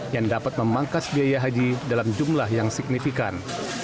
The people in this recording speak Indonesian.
yang dapat memangkas biaya haji dalam jumlah yang signifikan